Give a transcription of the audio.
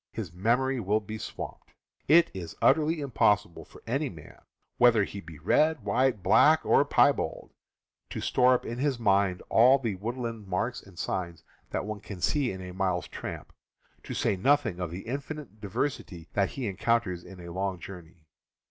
His mem ory will be swamped! It is utterly im possible for any man, whether he be red, white, black, or piebald, to store up in his mind all the woodland marks and signs that one can see in a mile's tramp, to say nothing of the infinite diversity that he encounters in a long journey.